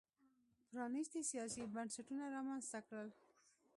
پرانیستي سیاسي بنسټونه رامنځته کړل.